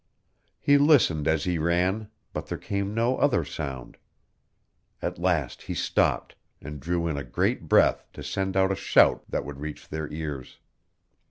He listened as he ran, but there came no other sound. At last he stopped, and drew in a great breath, to send out a shout that would reach their ears.